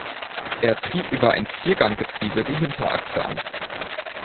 Er trieb über ein Vierganggetriebe die Hinterachse an.